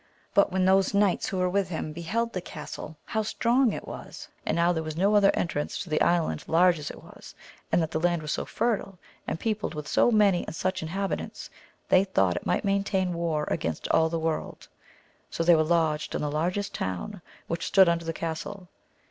But when those knights who were with him beheld the castle how strong it was, and how there was no other entrance to the island large as it was, and that the land was so fertile, and peopled with so many and such inhabitants, they thought it might maintain war against all the world ; so they were lodged in the largest town which stood under the castle.